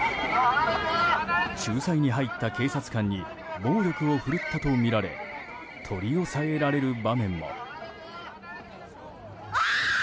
仲裁に入った警察官に暴力を振るったとみられ取り押さえられる場面も。